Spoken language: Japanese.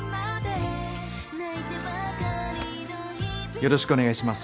よろしくお願いします。